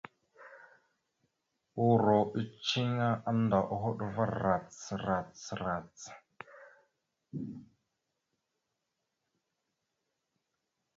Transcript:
Uuro eceŋé annda a hoɗ va rac rac rac.